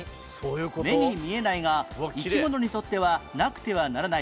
目に見えないが生き物にとってはなくてはならない